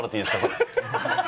それ。